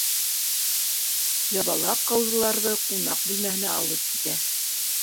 Ябалаҡ ҡауҙыларҙы ҡунаҡ бүлмәһенә алып китә.